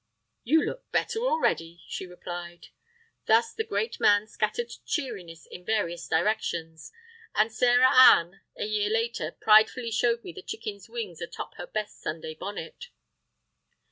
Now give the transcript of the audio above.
"You look better already," she replied. Thus the great man scattered cheeriness in various directions; and Sarah Ann, a year later, pridefully showed me the chicken's wings a top her best Sunday bonnet.